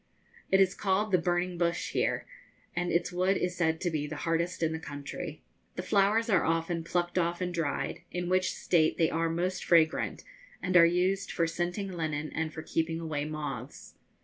It is called the 'burning bush' here, and its wood is said to be the hardest in the country. The flowers are often plucked off and dried, in which state they are most fragrant and are used for scenting linen and for keeping away moths.